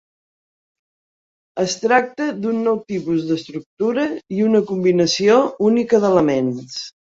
Es tracta d'un nou tipus d'estructura, i una combinació única d'elements.